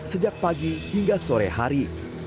sejak pagi hingga sore hari